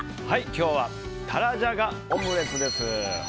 今日はタラジャガオムレツです。